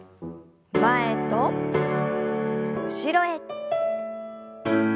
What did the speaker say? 前と後ろへ。